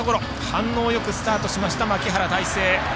反応よくスタートしました牧原大成。